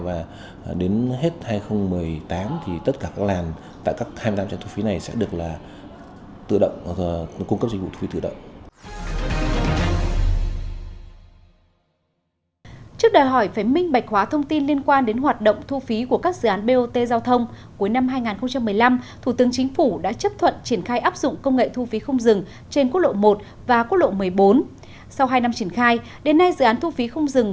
và đến hết hai nghìn một mươi tám thì tất cả các làn tại hai mươi tám trạng thu phí này sẽ được cung cấp dịch vụ thu phí tự động